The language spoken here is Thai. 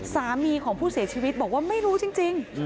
สามีของผู้เสียชีวิตบอกว่าไม่รู้จริง